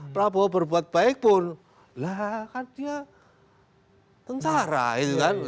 prabowo berbuat baik pun lah kan dia tentara itu kan